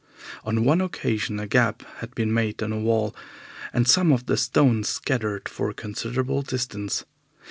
On one occasion a gap had been made in a wall, and some of the stones scattered for a considerable distance.